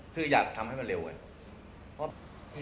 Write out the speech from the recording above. คืออยากทำให้มันเร็วอะ